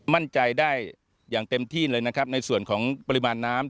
มั่นใจได้อย่างเต็มที่เลยนะครับในส่วนของปริมาณน้ำ